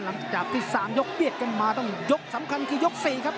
หลังจากที่๓ยกเบียดกันมาต้องยกสำคัญคือยก๔ครับ